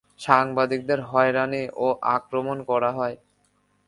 সাংবাদিকদের হয়রানি ও আক্রমণ করা হয়।